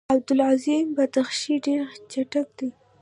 عبدالعظیم بدخشي ډېر چټک دی.